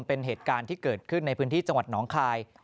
เป็นเหตุการณ์ที่เกิดขึ้นในพื้นที่จังหวัดหนองคาย